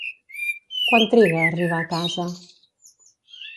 Quant triga a arribar a casa?